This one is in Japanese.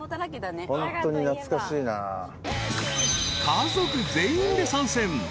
［家族全員で参戦］